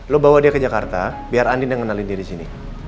lo bawa dia ke jakarta biar andin yang kenalin diri sini